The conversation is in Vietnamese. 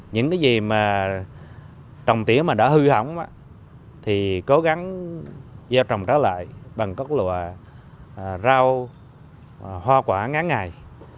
những cái gì mà trồng tỉa mà đã hư hỏng thì cố gắng gieo trồng trá lại bằng các loại rau hoa quả ngán ngày